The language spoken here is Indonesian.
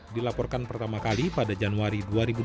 dilaporkan pertama kali pada januari dua ribu dua puluh